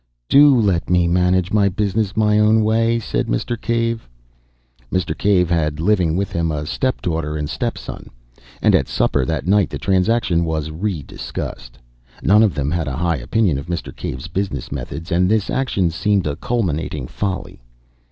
"Do let me manage my business my own way!" said Mr. Cave. Mr. Cave had living with him a step daughter and a step son, and at supper that night the transaction was re discussed. None of them had a high opinion of Mr. Cave's business methods, and this action seemed a culminating folly.